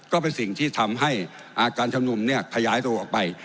ก็เป็นสิ่งที่ทำให้การชุมนุมเนี่ยขยายตัวออกไป